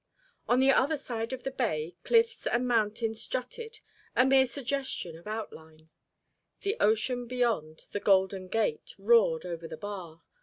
On the other side of the bay cliffs and mountains jutted, a mere suggestion of outline. The ocean beyond the Golden Gate roared over the bar.